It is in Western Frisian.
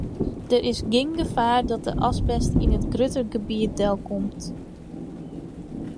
Der is gjin gefaar dat de asbest yn in grutter gebiet delkomt.